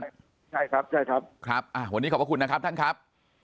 ใช่ครับใช่ครับครับวันนี้ขอบพระคุณนะครับท่านครับ